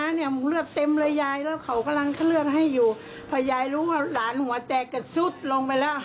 อันนี้เกือบโดนตาไหมครับแม่ก็ใช่นี่น่ะคาดนิดเดียวน่ะ